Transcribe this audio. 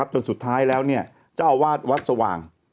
จนสุดท้ายแล้วเจ้าอาวาสวัดสว่าง